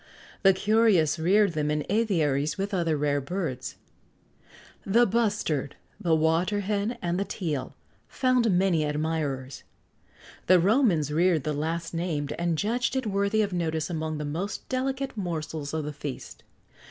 The curious reared them in aviaries with other rare birds.[XX 85] The Bustard, the Water Hen, and the Teal, found many admirers.[XX 86] The Romans reared the last named,[XX 87] and judged it worthy of notice among the most delicate morsels of the feast.